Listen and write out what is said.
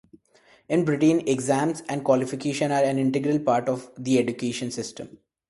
In Britain, exams and qualifications are an integral part of the education system.